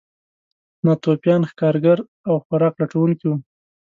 ناتوفیان ښکارګر او خوراک لټونکي وو.